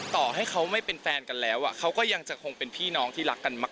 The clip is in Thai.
ต่อให้เขาไม่เป็นแฟนกันแล้วเขาก็ยังจะคงเป็นพี่น้องที่รักกันมาก